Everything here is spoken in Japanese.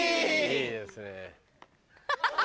いいですね。